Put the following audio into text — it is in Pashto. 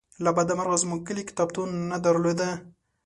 له بده مرغه زمونږ کلي کتابتون نه درلوده